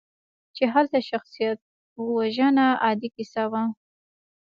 چې هلته شخصیتوژنه عادي کیسه وه.